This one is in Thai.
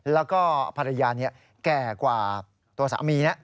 แล้วก็ภรรยาแก่กว่าตัวสามีนะ